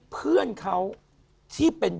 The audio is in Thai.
เพื่อนเขาที่เป็น